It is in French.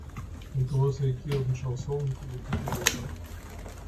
Elle commence à écrire des chansons mais qui n'aboutiront pas.